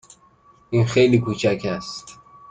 این خیلی کوچک است.